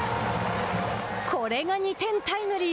これが２点タイムリー。